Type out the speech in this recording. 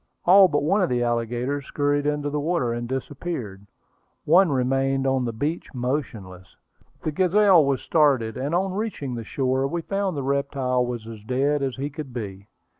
All but one of the alligators scurried into the water, and disappeared. One remained on the beach motionless. The Gazelle was started, and on reaching the shore we found the reptile was as dead as he could be.